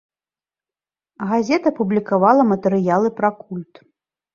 Газета публікавала матэрыялы пра культ.